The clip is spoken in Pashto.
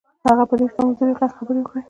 هغه په ډېر کمزوري غږ خبرې وکړې.